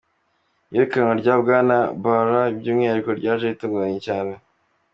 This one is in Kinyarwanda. Iyirukanwa rya Bwana Bharara by'umwihariko ryaje ritunguranye cyane.